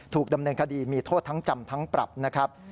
ถูกดำเนินคดีมีโทษทั้งจำทั้งปรับนะครับ